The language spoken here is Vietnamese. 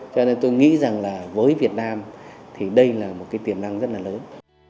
cho nên tôi nghĩ rằng là với việt nam thì đây là một cái tiềm năng rất là lớn